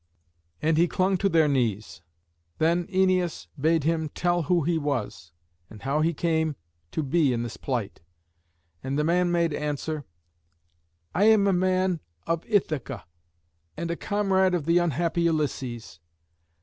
And he clung to their knees. Then Æneas bade him tell who he was, and how he came to be in this plight. And the man made answer, "I am a man of Ithaca, and a comrade of the unhappy Ulysses.